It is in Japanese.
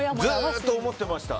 ずっと思ってました。